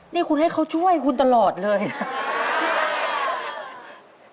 นี่คุณให้เขาช่วยคุณตลอดเลยนะ